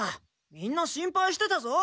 みんな心配してたぞ。